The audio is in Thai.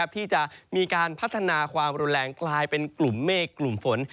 ที่จะมีการพัฒนาความรุนแรงกลายเป็นกลุ่มเมฆกลุ่มฝน